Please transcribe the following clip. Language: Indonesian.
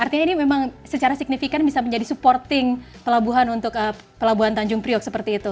artinya ini memang secara signifikan bisa menjadi supporting pelabuhan untuk pelabuhan tanjung priok seperti itu